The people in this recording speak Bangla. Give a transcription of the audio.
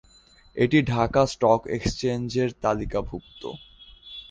এটি ঢাকা স্টক এক্সচেঞ্জের তালিকাভুক্ত।